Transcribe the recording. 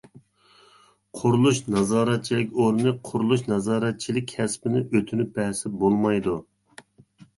قۇرۇلۇش نازارەتچىلىك ئورنى قۇرۇلۇش نازارەتچىلىك كەسپىنى ئۆتۈنۈپ بەرسە بولمايدۇ.